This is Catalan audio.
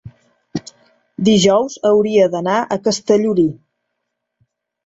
dijous hauria d'anar a Castellolí.